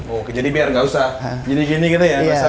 oke jadi biar nggak usah gini gini gitu ya